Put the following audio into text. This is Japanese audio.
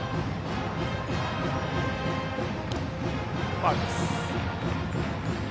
ファウルです。